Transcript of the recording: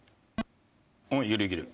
おっいけるいける。